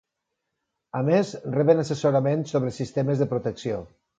A més, reben assessorament sobre sistemes de protecció.